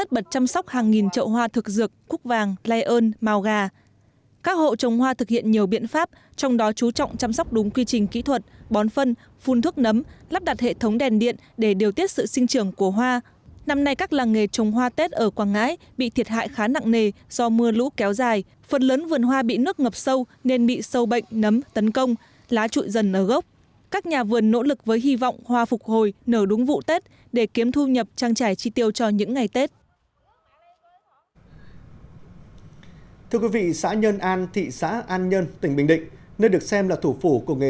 thưa quý vị xã nhân an thị xã an nhân tỉnh bình định nơi được xem là thủ phủ của nghề